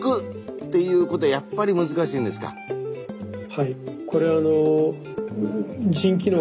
はい。